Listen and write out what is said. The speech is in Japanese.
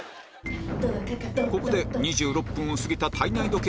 ここで２６分を過ぎた体内時計